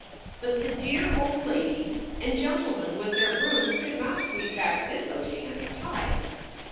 But the dear old ladies and gentlemen with their brooms could not sweep back this oceanic tide.